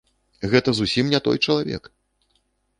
Гэта зусім не той чалавек!